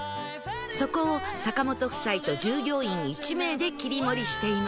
そこを坂本夫妻と従業員１名で切り盛りしています